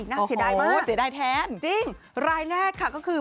โอ้โฮเสียดายมากจริงรายแรกค่ะก็คือ